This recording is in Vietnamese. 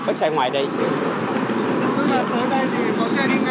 tối nay thì có xe đi ngay hay sao